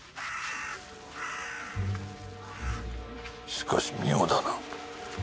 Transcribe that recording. しかし妙だな。